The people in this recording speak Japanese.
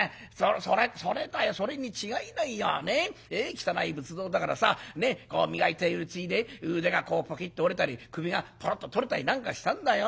汚い仏像だからさこう磨いているうちに腕がポキッと折れたり首がポロッと取れたりなんかしたんだよ。